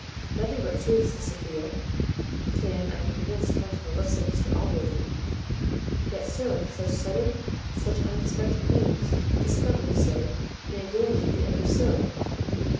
"Nothing but truth," says Sophia, "can, I am convinced, come from the lips of Mr Allworthy. Yet, sir, such sudden, such unexpected news. Discovered, you say may villany be ever so!"